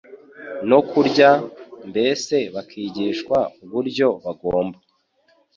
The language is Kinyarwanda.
no kurya; mbese bakigishwa uburyo bagomba